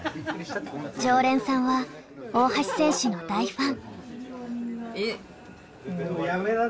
常連さんは大橋選手の大ファン。